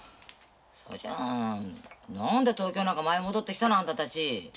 それじゃ何で東京なんか舞い戻ってきたの？あんたたち。